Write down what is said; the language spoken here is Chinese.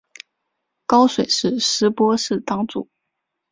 高水寺斯波氏当主。